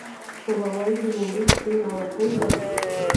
ته به وایې د لومړۍ شپې ناوکۍ ده